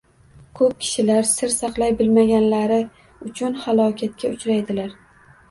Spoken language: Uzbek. Ko‘p kishilar sir saqlay bilmaganlari uchun halokatga uchraydilar.